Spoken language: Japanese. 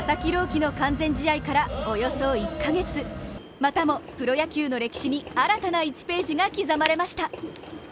希の完全試合からおよそ１ヶ月またもプロ野球の歴史に新たな１ページが刻まれました。